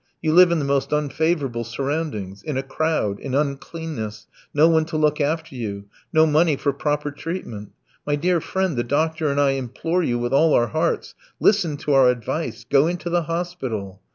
"You live in the most unfavourable surroundings, in a crowd, in uncleanliness, no one to look after you, no money for proper treatment. ... My dear friend, the doctor and I implore you with all our hearts, listen to our advice: go into the hospital!